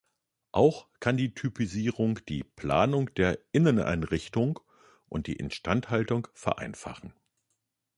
Auch kann die Typisierung die Planung der Inneneinrichtung und die Instandhaltung vereinfachen.